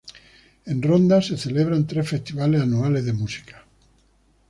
En Ronda se celebran tres festivales anuales de música.